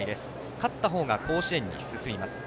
勝った方が甲子園に進みます。